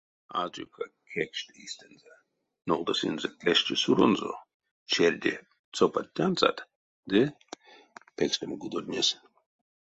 Азёка кекшть эйстэнзэ — нолдасынзе клеща суронзо, черде цопадтянзат ды — пекстамо кудотнес.